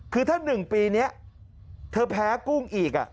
คือถ้า๑ปีนี้เธอแพ้กุ้งอีก